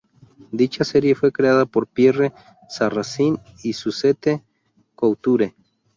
Dicha serie fue creada por Pierre Sarrazin y Suzette Couture.